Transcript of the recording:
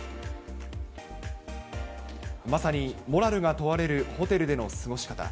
まさにモラルが問われるホテルでの過ごし方。